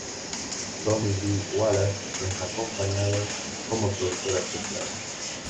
Tommy Lee Wallace es acompañado como productor asociado.